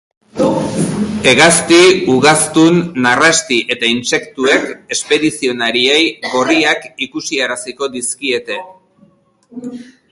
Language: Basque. Hegazti, ugaztun, narrasti eta intsektuek espedizionarioei gorriak ikusi araziko dizkiete.